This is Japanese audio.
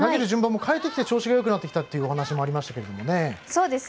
順番も変えてきて調子がよくなってきたというお話もありましたけれどもね。